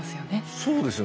そうですよね。